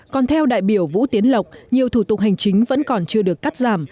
còn theo đại biểu vũ tiến lộc nhiều thủ tục hành chính vẫn còn chưa được cắt giảm